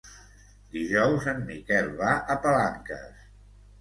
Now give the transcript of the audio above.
Dijous en Miquel va a Palanques.